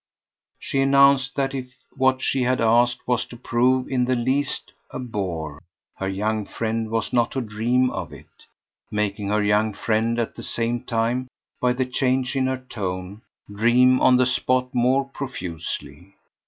She announced that if what she had asked was to prove in the least a bore her young friend was not to dream of it; making her young friend at the same time, by the change in her tone, dream on the spot more profusely.